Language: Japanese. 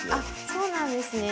そうなんですね？